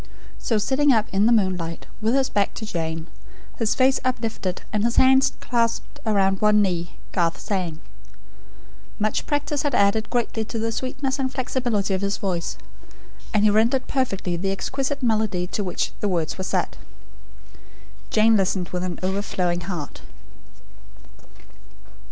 So sitting up; in the moonlight, with his back to Jane, his face uplifted, and his hands clasped around one knee, Garth sang. Much practice had added greatly to the sweetness and flexibility of his voice; and he rendered perfectly the exquisite melody to which the words were set. Jane listened with an overflowing heart.